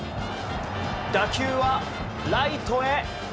打球はライトへ。